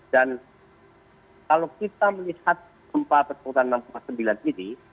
dan kalau kita melihat gempa berkekuatan enam sembilan ini